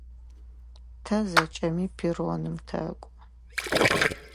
Тэ зэкӏэми перроным тэкӏо.